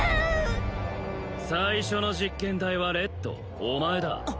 最初の実験台はレッドお前だ